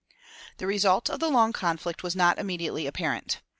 The result of the long conflict was not immediately apparent.